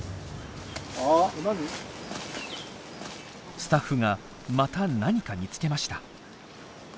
スタッフがまた何か見つけました。